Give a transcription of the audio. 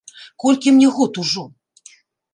Колькі мне год ужо?